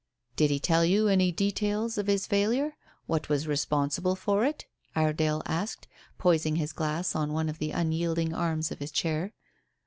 "Did he tell you any details of his failure? What was responsible for it?" Iredale asked, poising his glass on one of the unyielding arms of his chair.